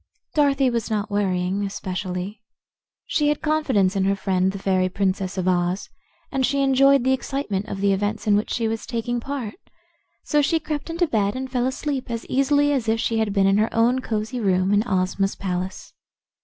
Dorothy was not worrying, especially. She had confidence in her friend, the fairy Princess of Oz, and she enjoyed the excitement of the events in which she was taking part. So she crept into bed and fell asleep as easily as if she had been in her own cosy room in Ozma's palace.